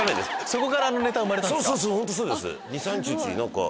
そこからネタ生まれたんですか。